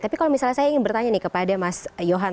tapi kalau misalnya saya ingin bertanya nih kepada mas yohan